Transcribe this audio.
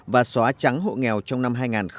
và xóa trắng hộ nghèo trong năm hai nghìn một mươi tám